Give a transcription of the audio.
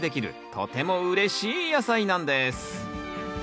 とてもうれしい野菜なんです